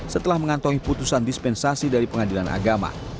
setelah mengantongi putusan dispensasi dari pengadilan agama